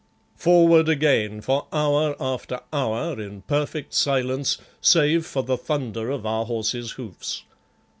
Forward again for hour after hour, in perfect silence save for the thunder of our horses' hoofs.